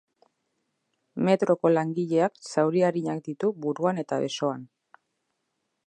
Metroko langileak zauri arinak ditu buruan eta besoan.